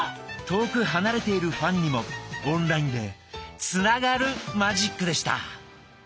遠く離れているファンにもオンラインでつながるマジックでした。